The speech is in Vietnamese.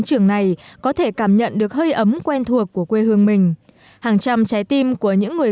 trường này có thể cảm nhận được hơi ấm quen thuộc của quê hương mình hàng trăm trái tim của những người